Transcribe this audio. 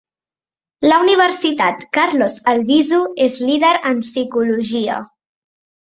La Universitat Carlos Albizu és líder en psicologia.